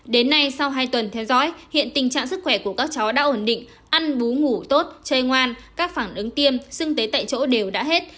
đến nay sau hai tuần theo dõi hiện tình trạng sức khỏe của các cháu đã ổn định ăn bú tốt chơi ngoan các phản ứng tiêm sưng tế tại chỗ đều đã hết